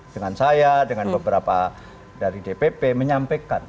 dengan saya dengan beberapa dari dpp menyampaikan